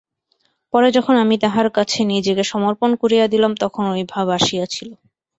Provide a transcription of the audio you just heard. পরে যখন আমি তাঁহার কাছে নিজেকে সমর্পণ করিয়া দিলাম, তখন ঐ ভাব আসিয়াছিল।